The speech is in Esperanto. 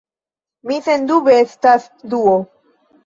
Mi sendube estas Duo!